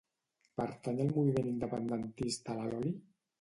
Pertany al moviment independentista la Loli?